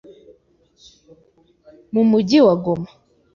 mu mugi wa Goma